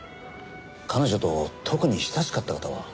彼女と特に親しかった方は？